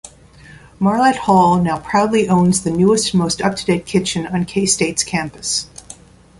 Marlatt Hall now proudly owns the newest and most up-to-date kitchen on K-State's campus.